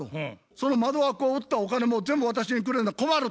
「その窓枠を売ったお金も全部私にくれな困る」。